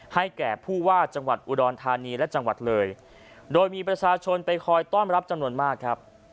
แก่ผู้ว่าจังหวัดอุดรธานีและจังหวัดเลยโดยมีประชาชนไปคอยต้อนรับจำนวนมากครับ